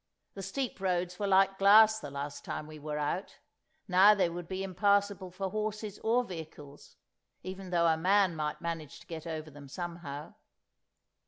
The steep roads were like glass the last time we were out; now they would be impassable for horses or vehicles, even though a man might manage to get over them somehow.